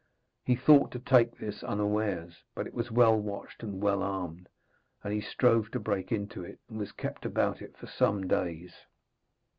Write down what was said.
He thought to take this unawares, but it was well watched and well armed, and he strove to break into it and was kept about it for some days.